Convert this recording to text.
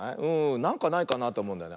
なんかないかなっておもうんだよね。